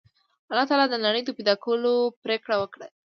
الله تعالی د نړۍ د پیدا کولو پرېکړه وکړه